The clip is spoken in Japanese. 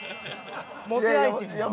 モテアイテムやわ。